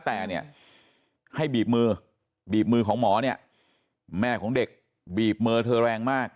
แต่ให้บีบมือบีบมือของหมอแม่ของเด็กบีบมือเธอแรงมาก